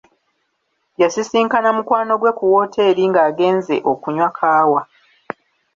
Yasisinkana mukwano ggwe ku wooteri ng'agenze okunywa kaawa.